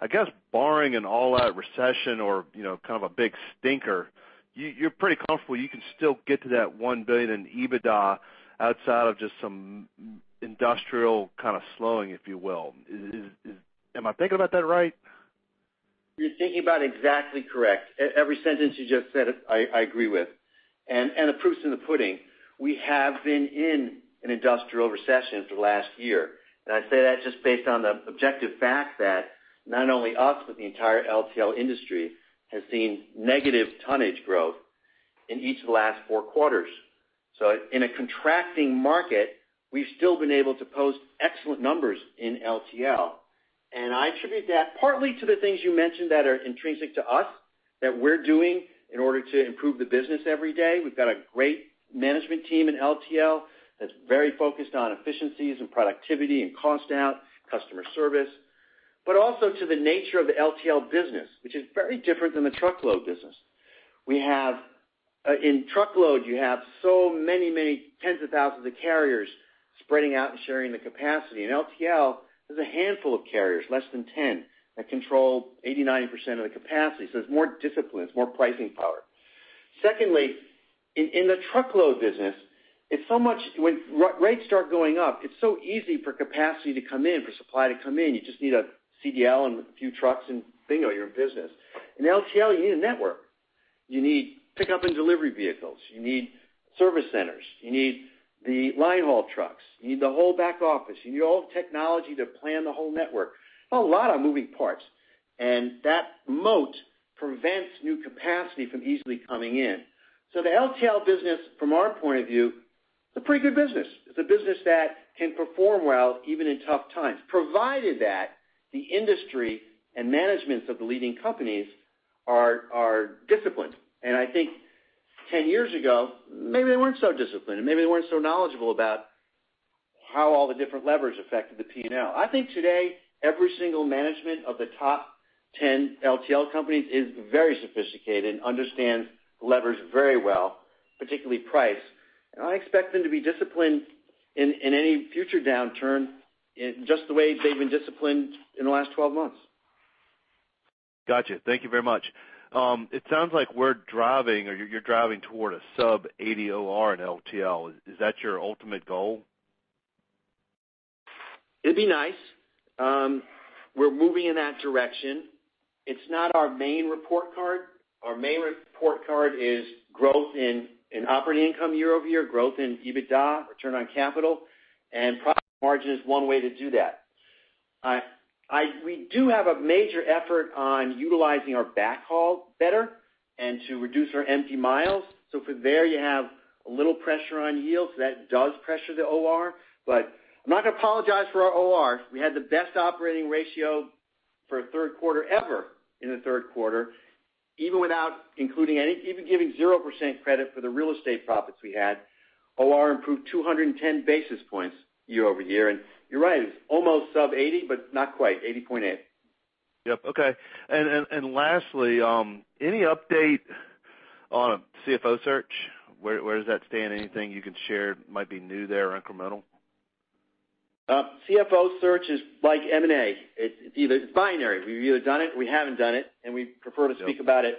I guess barring an all-out recession or kind of a big stinker, you're pretty comfortable you can still get to that $1 billion in EBITDA outside of just some industrial kind of slowing, if you will. Am I thinking about that right? You're thinking about it exactly correct. Every sentence you just said, I agree with. The proof is in the pudding. We have been in an industrial recession for the last year, and I say that just based on the objective fact that not only us, but the entire LTL industry, has seen negative tonnage growth in each of the last four quarters. In a contracting market, we've still been able to post excellent numbers in LTL. I attribute that partly to the things you mentioned that are intrinsic to us, that we're doing in order to improve the business every day. We've got a great management team in LTL that's very focused on efficiencies and productivity and cost out, customer service. Also to the nature of the LTL business, which is very different than the truckload business. In truckload, you have so many tens of thousands of carriers spreading out and sharing the capacity. In LTL, there's a handful of carriers, less than 10, that control 89% of the capacity. There's more discipline, there's more pricing power. Secondly, in the truckload business, when rates start going up, it's so easy for capacity to come in, for supply to come in. You just need a CDL and a few trucks, and bingo, you're in business. In LTL, you need a network. You need pickup and delivery vehicles. You need service centers. You need the line haul trucks. You need the whole back office. You need all the technology to plan the whole network. A lot of moving parts. That moat prevents new capacity from easily coming in. The LTL business, from our point of view, is a pretty good business. It's a business that can perform well even in tough times, provided that the industry and managements of the leading companies are disciplined. I think 10 years ago, maybe they weren't so disciplined, and maybe they weren't so knowledgeable about how all the different levers affected the P&L. I think today, every single management of the top 10 LTL companies is very sophisticated and understands levers very well, particularly price. I expect them to be disciplined in any future downturn in just the way they've been disciplined in the last 12 months. Got you. Thank you very much. It sounds like we're driving, or you're driving toward a sub-80 OR in LTL. Is that your ultimate goal? It'd be nice. We're moving in that direction. It's not our main report card. Our main report card is growth in operating income year-over-year, growth in EBITDA, return on capital, and profit margin is one way to do that. We do have a major effort on utilizing our backhaul better and to reduce our empty miles. For there, you have a little pressure on yields. That does pressure the OR. I'm not going to apologize for our OR. We had the best operating ratio for a third quarter ever in the third quarter, even without including even giving 0% credit for the real estate profits we had. OR improved 210 basis points year-over-year. You're right, it's almost sub-80, but not quite, 80.8. Yep. Okay. Lastly, any update on CFO search? Where does that stand? Anything you can share might be new there or incremental? CFO search is like M&A. It's binary. We've either done it, or we haven't done it, and we prefer to speak about it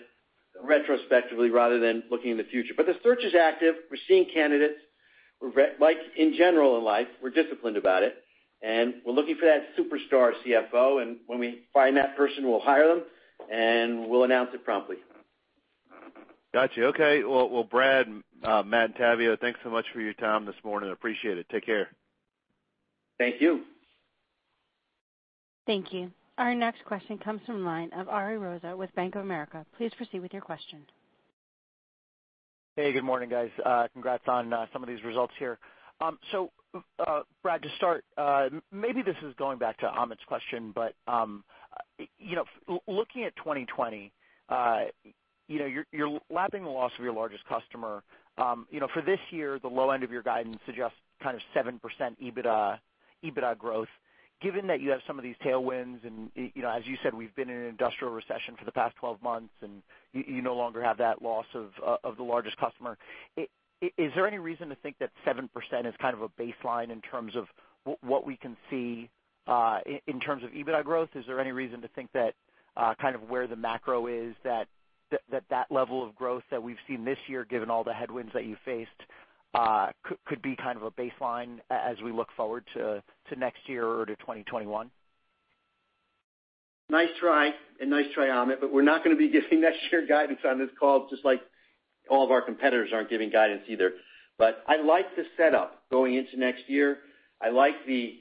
retrospectively rather than looking in the future. The search is active. We're seeing candidates. Like in general in life, we're disciplined about it, and we're looking for that superstar CFO, and when we find that person, we'll hire them, and we'll announce it promptly. Got you. Okay. Well, Brad, Matt, and Tavio, thanks so much for your time this morning. I appreciate it. Take care. Thank you. Thank you. Our next question comes from the line of Ariel Rosa with Bank of America. Please proceed with your question. Hey, good morning, guys. Congrats on some of these results here. Brad, to start, maybe this is going back to Amit's question, looking at 2020, you're lapping the loss of your largest customer. For this year, the low end of your guidance suggests kind of 7% EBITDA growth. Given that you have some of these tailwinds, and as you said, we've been in an industrial recession for the past 12 months, and you no longer have that loss of the largest customer, is there any reason to think that 7% is kind of a baseline in terms of what we can see in terms of EBITDA growth? Is there any reason to think that kind of where the macro is that that level of growth that we've seen this year, given all the headwinds that you faced, could be kind of a baseline as we look forward to next year or to 2021? Nice try, Amit, we're not going to be giving next year guidance on this call, just like all of our competitors aren't giving guidance either. I like the setup going into next year. I like the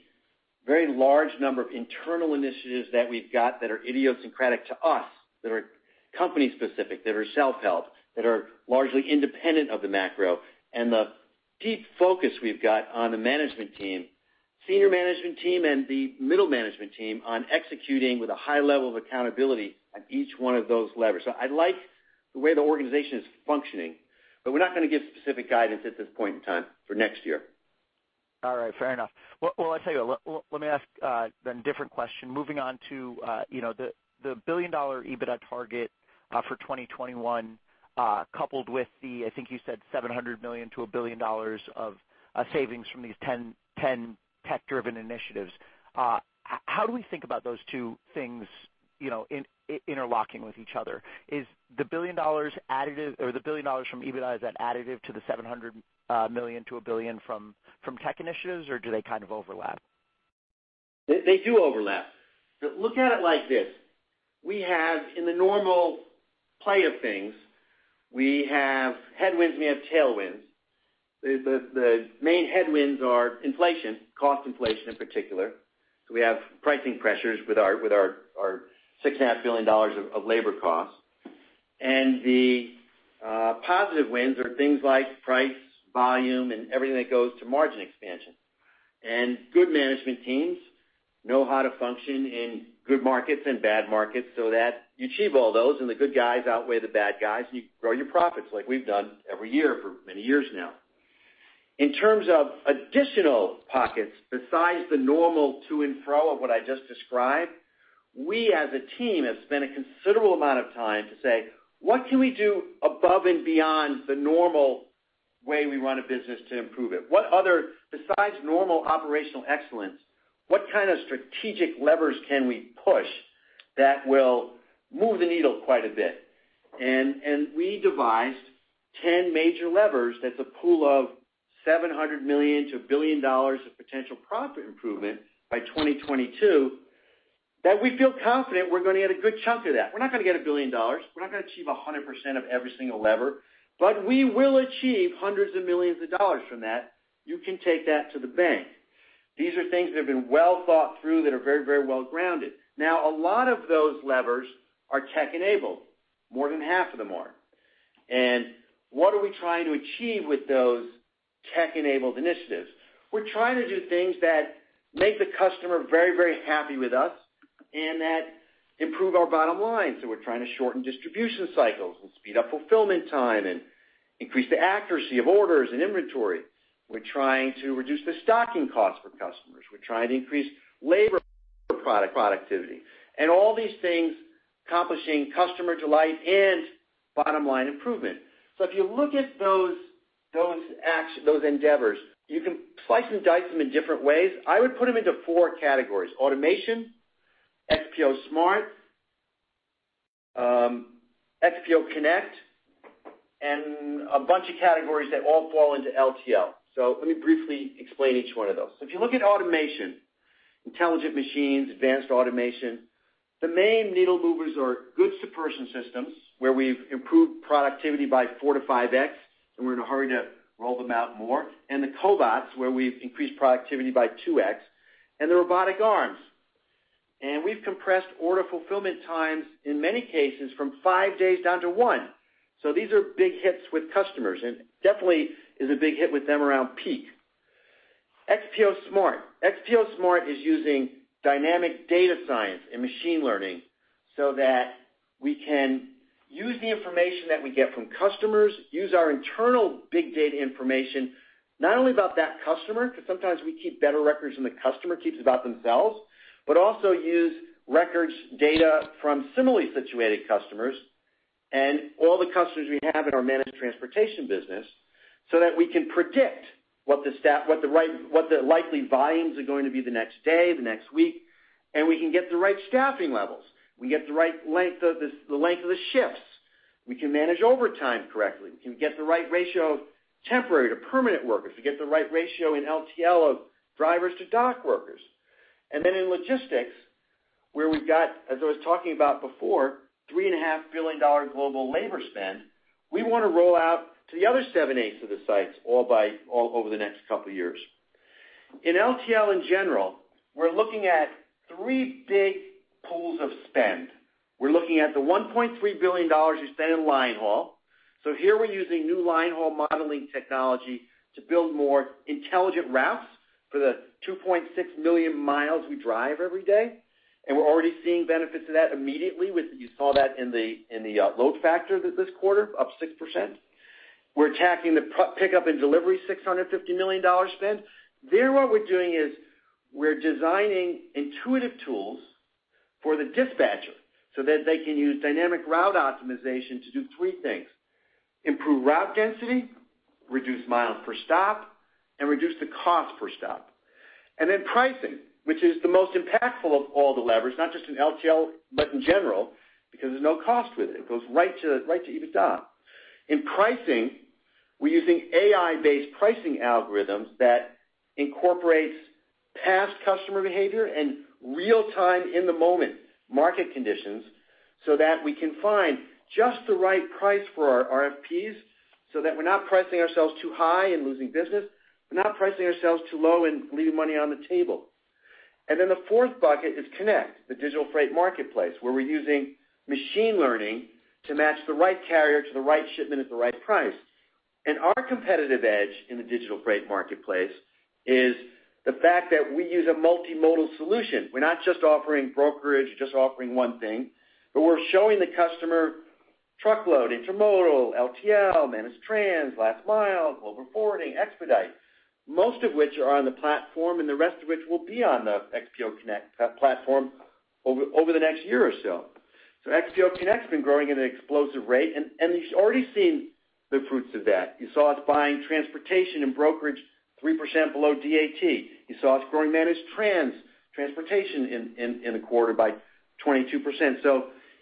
very large number of internal initiatives that we've got that are idiosyncratic to us, that are company specific, that are self-held, that are largely independent of the macro, and the deep focus we've got on the management team, senior management team, and the middle management team on executing with a high level of accountability on each one of those levers. I like the way the organization is functioning, we're not going to give specific guidance at this point in time for next year. All right, fair enough. Well, I tell you what, let me ask then different question. Moving on to the $1 billion EBITDA target for 2021, coupled with the, I think you said $700 million to $1 billion of savings from these 10 tech-driven initiatives. How do we think about those two things interlocking with each other? Is the $1 billion from EBITDA, is that additive to the $700 million to $1 billion from tech initiatives or do they kind of overlap? They do overlap. Look at it like this. We have in the normal play of things, we have headwinds, and we have tailwinds. The main headwinds are inflation, cost inflation in particular. We have pricing pressures with our $6.5 billion of labor costs. The positive winds are things like price, volume, and everything that goes to margin expansion. Good management teams know how to function in good markets and bad markets so that you achieve all those, and the good guys outweigh the bad guys, and you grow your profits like we've done every year for many years now. In terms of additional pockets besides the normal to and fro of what I just described, we as a team have spent a considerable amount of time to say, what can we do above and beyond the normal way we run a business to improve it? Besides normal operational excellence, what kind of strategic levers can we push that will move the needle quite a bit? We devised 10 major levers. That's a pool of $700 million to $1 billion of potential profit improvement by 2022 that we feel confident we're going to get a good chunk of that. We're not going to get $1 billion. We're not going to achieve 100% of every single lever, but we will achieve hundreds of millions of dollars from that. You can take that to the bank. These are things that have been well thought through that are very well grounded. A lot of those levers are tech-enabled. More than half of them are. What are we trying to achieve with those tech-enabled initiatives? We're trying to do things that make the customer very, very happy with us and that improve our bottom line. We're trying to shorten distribution cycles and speed up fulfillment time and increase the accuracy of orders and inventory. We're trying to reduce the stocking cost for customers. We're trying to increase labor productivity. All these things accomplishing customer delight and bottom-line improvement. If you look at those endeavors, you can slice and dice them in different ways. I would put them into 4 categories: automation, XPO Smart, XPO Connect, and a bunch of categories that all fall into LTL. Let me briefly explain each one of those. If you look at automation, intelligent machines, advanced automation, the main needle movers are goods-to-person systems, where we've improved productivity by four to 5X, and we're in a hurry to roll them out more. The cobots, where we've increased productivity by 2X, and the robotic arms. We've compressed order fulfillment times, in many cases, from five days down to one. These are big hits with customers, and definitely is a big hit with them around peak. XPO Smart. XPO Smart is using dynamic data science and machine learning so that we can use the information that we get from customers, use our internal big data information, not only about that customer, because sometimes we keep better records than the customer keeps about themselves, but also use records data from similarly situated customers and all the customers we have in our managed transportation business, so that we can predict what the likely volumes are going to be the next day, the next week. We can get the right staffing levels. We get the right length of the shifts. We can manage overtime correctly. We can get the right ratio of temporary to permanent workers. We get the right ratio in LTL of drivers to dock workers. In logistics, where we've got, as I was talking about before, $3.5 billion global labor spend, we want to roll out to the other seven-eighths of the sites all over the next couple of years. In LTL in general, we're looking at three big pools of spend. We're looking at the $1.3 billion we spend in line haul. Here we're using new line haul modeling technology to build more intelligent routes for the 2.6 million miles we drive every day. We're already seeing benefits of that immediately. You saw that in the load factor this quarter, up 6%. We're attacking the pickup and delivery, $650 million spend. There, what we're doing is we're designing intuitive tools for the dispatcher so that they can use dynamic route optimization to do three things: improve route density, reduce miles per stop, and reduce the cost per stop. Pricing, which is the most impactful of all the levers, not just in LTL, but in general, because there's no cost with it. It goes right to EBITDA. In pricing, we're using AI-based pricing algorithms that incorporates past customer behavior and real-time, in-the-moment market conditions. We can find just the right price for our RFPs, so that we're not pricing ourselves too high and losing business. We're not pricing ourselves too low and leaving money on the table. The fourth bucket is Connect, the digital freight marketplace, where we're using machine learning to match the right carrier to the right shipment at the right price. Our competitive edge in the digital freight marketplace is the fact that we use a multimodal solution. We're not just offering brokerage or just offering one thing, but we're showing the customer truckload, intermodal, LTL, managed trans, last mile, global forwarding, expedite, most of which are on the platform, and the rest of which will be on the XPO Connect platform over the next year or so. XPO Connect's been growing at an explosive rate, and you've already seen the fruits of that. You saw us buying transportation and brokerage 3% below DAT. You saw us growing managed transportation in the quarter by 22%.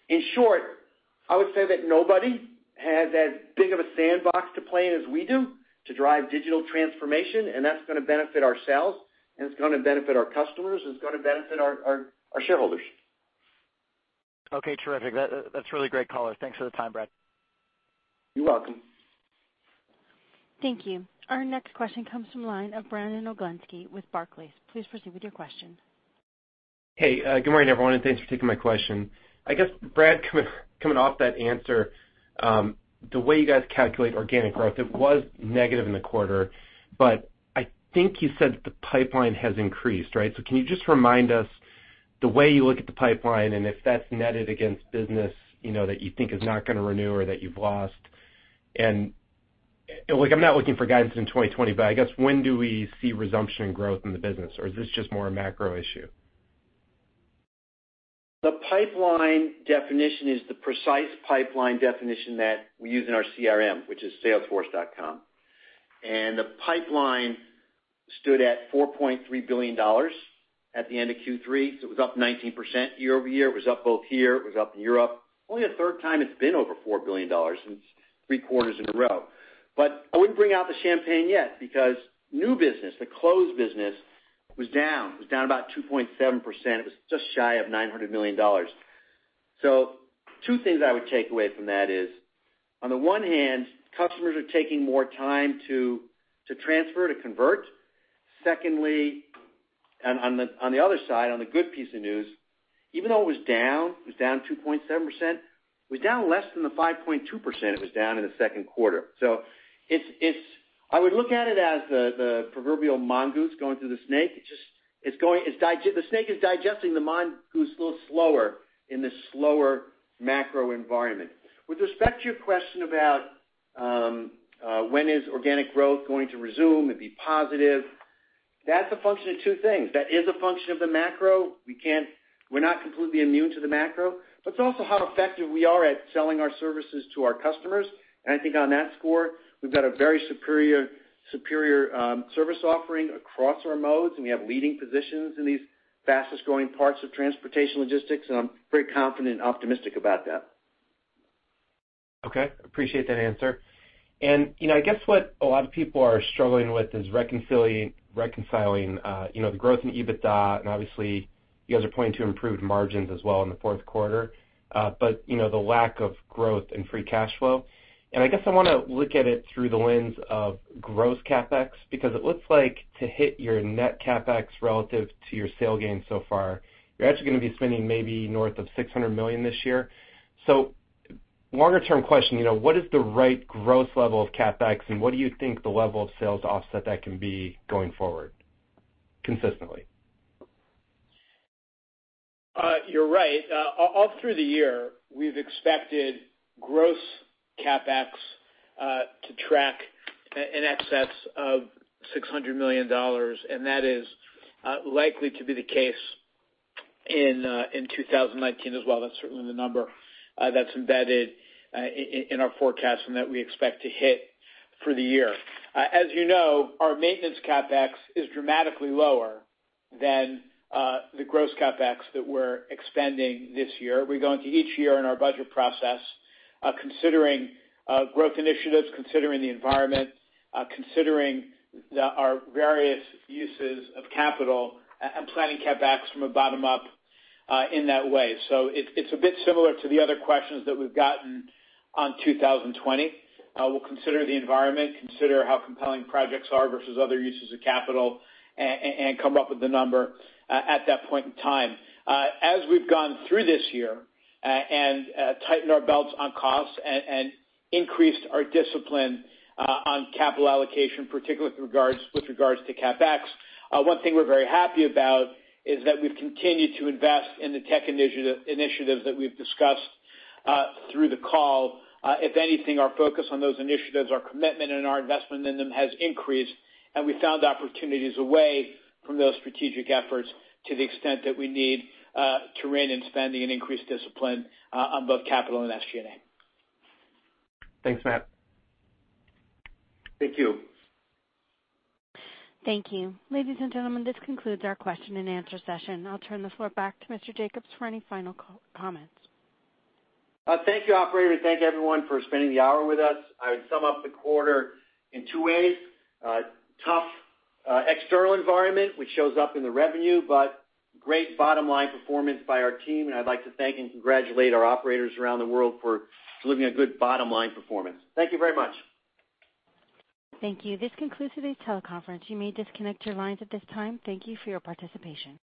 In short, I would say that nobody has as big of a sandbox to play in as we do to drive digital transformation, and that's going to benefit our sales, and it's going to benefit our customers, and it's going to benefit our shareholders. Okay, terrific. That's really great color. Thanks for the time, Brad. You're welcome. Thank you. Our next question comes from the line of Brandon Oglenski with Barclays. Please proceed with your question. Good morning, everyone, thanks for taking my question. I guess, Brad, coming off that answer, the way you guys calculate organic growth, it was negative in the quarter, but I think you said that the pipeline has increased, right? Can you just remind us the way you look at the pipeline and if that's netted against business that you think is not going to renew or that you've lost? Look, I'm not looking for guidance in 2020, but I guess when do we see resumption in growth in the business or is this just more a macro issue? The pipeline definition is the precise pipeline definition that we use in our CRM, which is Salesforce.com. The pipeline stood at $4.3 billion at the end of Q3. It was up 19% year-over-year. It was up both here, it was up in Europe. Only the third time it's been over $4 billion since three quarters in a row. I wouldn't bring out the champagne yet because new business, the closed business was down. It was down about 2.7%. It was just shy of $900 million. Two things I would take away from that is, on the one hand, customers are taking more time to transfer, to convert. Secondly, on the other side, on the good piece of news, even though it was down, it was down 2.7%, it was down less than the 5.2% it was down in the second quarter. I would look at it as the proverbial mongoose going through the snake. The snake is digesting the mongoose a little slower in this slower macro environment. With respect to your question about when is organic growth going to resume and be positive, that's a function of two things. That is a function of the macro. We're not completely immune to the macro, but it's also how effective we are at selling our services to our customers. I think on that score, we've got a very superior service offering across our modes, and we have leading positions in these fastest-growing parts of transportation logistics, and I'm very confident and optimistic about that. Okay. Appreciate that answer. I guess what a lot of people are struggling with is reconciling the growth in EBITDA, and obviously you guys are pointing to improved margins as well in the Fourth Quarter. The lack of growth in free cash flow. I guess I want to look at it through the lens of gross CapEx, because it looks like to hit your net CapEx relative to your sale gains so far, you're actually going to be spending maybe north of $600 million this year. Longer-term question, what is the right growth level of CapEx, and what do you think the level of sales to offset that can be going forward consistently? You're right. All through the year, we've expected gross CapEx to track in excess of $600 million. That is likely to be the case in 2019 as well. That's certainly the number that's embedded in our forecast and that we expect to hit for the year. As you know, our maintenance CapEx is dramatically lower than the gross CapEx that we're expending this year. We go into each year in our budget process considering growth initiatives, considering the environment, considering our various uses of capital and planning CapEx from a bottom up in that way. It's a bit similar to the other questions that we've gotten on 2020. We'll consider the environment, consider how compelling projects are versus other uses of capital, and come up with the number at that point in time. As we've gone through this year and tightened our belts on costs and increased our discipline on capital allocation, particularly with regards to CapEx, one thing we're very happy about is that we've continued to invest in the tech initiatives that we've discussed through the call. If anything, our focus on those initiatives, our commitment and our investment in them has increased, and we found opportunities away from those strategic efforts to the extent that we need to rein in spending and increase discipline on both capital and SG&A. Thanks, Matt. Thank you. Thank you. Ladies and gentlemen, this concludes our question and answer session. I'll turn the floor back to Mr. Jacobs for any final comments. Thank you, operator. Thank you, everyone, for spending the hour with us. I would sum up the quarter in two ways. Tough external environment, which shows up in the revenue, but great bottom-line performance by our team, and I'd like to thank and congratulate our operators around the world for delivering a good bottom-line performance. Thank you very much. Thank you. This concludes today's teleconference. You may disconnect your lines at this time. Thank you for your participation.